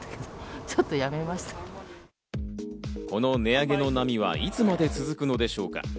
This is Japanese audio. この値上げの波は、いつまで続くのでしょうか。